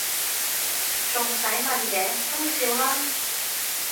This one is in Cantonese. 仲使問嘅！心照啦！